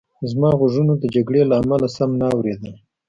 زما غوږونو د جګړې له امله سم نه اورېدل